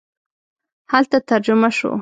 هلته ترجمه شو.